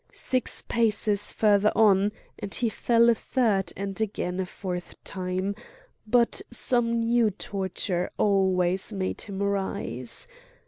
Six paces further on, and he fell a third and again a fourth time; but some new torture always made him rise.